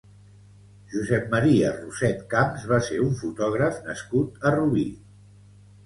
Josep Maria Roset Camps va ser un fotògraf nascut a Rubí.